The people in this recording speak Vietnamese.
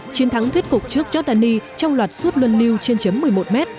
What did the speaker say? chiến thắng thuyết phục trước giordani trong loạt suốt luân lưu trên chấm một mươi một m